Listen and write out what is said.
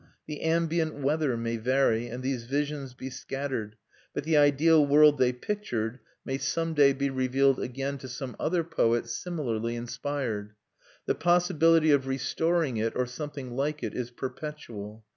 The ambient weather may vary, and these visions be scattered; but the ideal world they pictured may some day be revealed again to some other poet similarly inspired; the possibility of restoring it, or something like it, is perpetual.